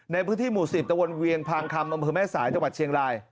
ในพื้นที่หมู่๑๐ตะวนเวียงพางคำอำเภอแม่สายจังหวัดเชียงราย